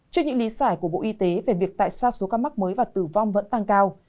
trước những lý giải của bộ y tế về việc tại sao số ca mắc mới và tử vong vẫn tăng cao